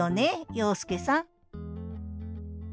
洋輔さん